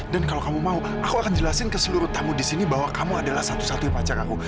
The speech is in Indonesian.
dan kalau kamu mau aku akan jelasin ke seluruh tamu di sini bahwa kamu adalah satu satunya pacar aku